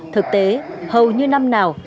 thực tế hầu như năm nào